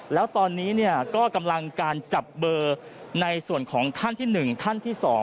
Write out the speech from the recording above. แล้วตอนนี้ก็กำลังการจับเบอร์ในส่วนของท่านที่๑ท่านที่๒